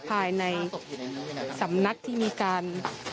ภายในสำนักที่มีการ